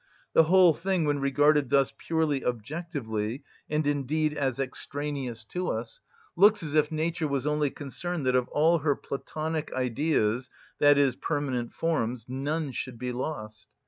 The whole thing, when regarded thus purely objectively, and indeed as extraneous to us, looks as if nature was only concerned that of all her (Platonic) Ideas, i.e., permanent forms, none should be lost.